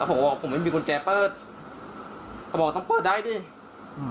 ผมก็บอกผมไม่มีกุญแจเปิดเขาบอกต้องเปิดได้ดิอืม